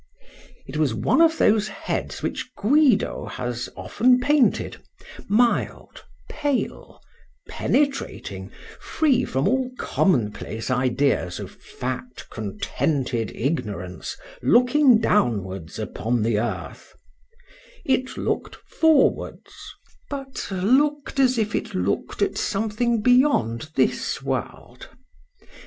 It was one of those heads which Guido has often painted,—mild, pale—penetrating, free from all commonplace ideas of fat contented ignorance looking downwards upon the earth;—it look'd forwards; but look'd as if it look'd at something beyond this world.